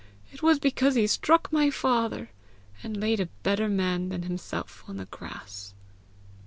"It was because he struck my father, and laid a better man than himself on the grass."